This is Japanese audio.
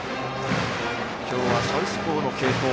今日はサウスポーの継投。